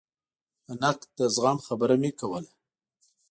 د نقد د زغم خبره مې کوله.